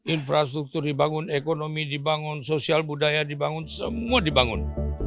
infrastruktur dibangun ekonomi dibangun sosial budaya dibangun semua dibangun